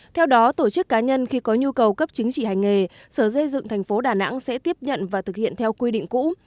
theo đó tổ chức cá nhân khi có nhu cầu cấp chứng chỉ hành nghề sở dây dựng thành phố đà nẵng sẽ tiếp nhận và thực hiện theo quy định cũ